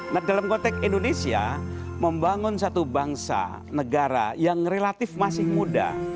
nah dalam konteks indonesia membangun satu bangsa negara yang relatif masih muda